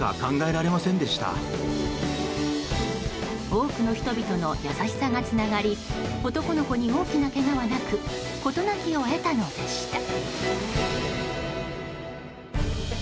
多くの人々の優しさがつながり男の子に大きなけがはなく事なきを得たのでした。